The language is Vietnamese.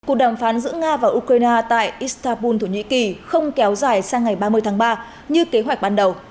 cuộc đàm phán giữa nga và ukraine tại istanbul thổ nhĩ kỳ không kéo dài sang ngày ba mươi tháng ba như kế hoạch ban đầu